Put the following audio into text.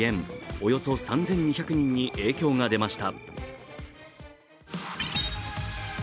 およそ３２００人に影響が出ました。